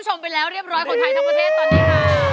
ร้องได้ให้ร้าน